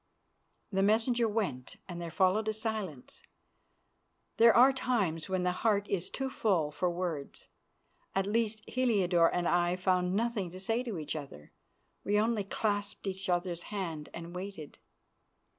The messengers went and there followed a silence. There are times when the heart is too full for words; at least, Heliodore and I found nothing to say to each other. We only clasped each other's hand and waited.